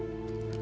oh wali kota